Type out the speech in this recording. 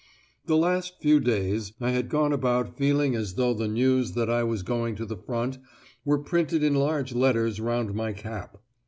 The last few days I had gone about feeling as though the news that I was going to the front were printed in large letters round my cap.